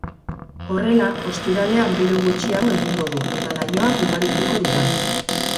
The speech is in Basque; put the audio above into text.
Horrela, ostiralean bero gutxiago egingo du eta lainoak ugarituko dira.